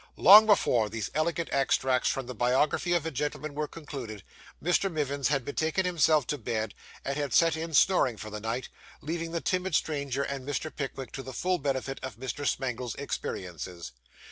Long before these elegant extracts from the biography of a gentleman were concluded, Mr. Mivins had betaken himself to bed, and had set in snoring for the night, leaving the timid stranger and Mr. Pickwick to the full benefit of Mr. Smangle's experiences.